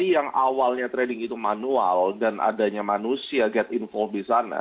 yang awalnya trading itu manual dan adanya manusia get info di sana